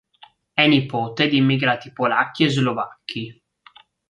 È nipote di immigrati polacchi e slovacchi.